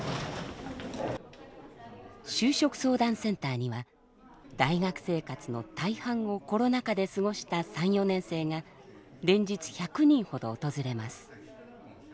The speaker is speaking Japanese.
就職相談センターには大学生活の大半をコロナ禍で過ごした３４年生が連日１００人ほど訪れます。